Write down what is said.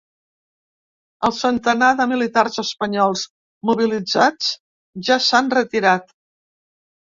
El centenar de militars espanyols mobilitzats ja s’han retirat.